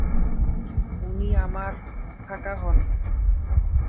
উনি তোমার কাকা হন।